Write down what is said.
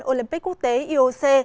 và ủy ban olympic quốc tế ioc